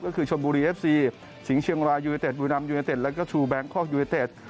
ก็คือชนบุรีเอฟซีสิงห์เชียงรายยูนิเต็ดบูรัมยูเนเต็ดแล้วก็ชูแบงคอกยูเนเต็ด